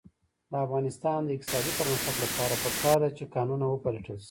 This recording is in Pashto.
د افغانستان د اقتصادي پرمختګ لپاره پکار ده چې کانونه وپلټل شي.